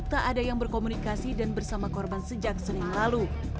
tak ada yang berkomunikasi dan bersama korban sejak senin lalu